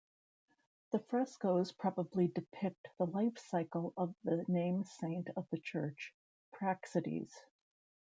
The frescoes probably depict the life-cycle of the name saint of the church, Praxedes.